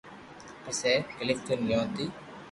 پسي ڪلفٽن گيو تي